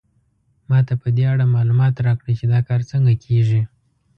ما ته په دې اړه معلومات راکړئ چې دا کار څنګه کیږي